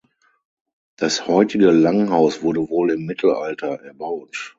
Das heutige Langhaus wurde wohl im Mittelalter erbaut.